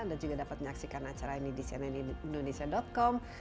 anda juga dapat menyaksikan acara ini di cnnindonesia com